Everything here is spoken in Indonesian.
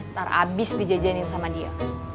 ntar abis dijajanin sama dia